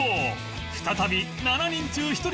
再び７人中１人